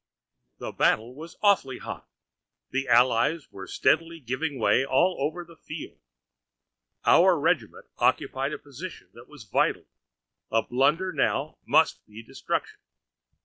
The battle was awfully hot; the allies were steadily giving way all over the field. Our regiment occupied a position that was vital; a blunder now must be destruction.